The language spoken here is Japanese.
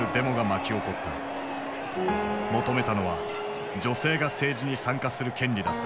求めたのは女性が政治に参加する権利だった。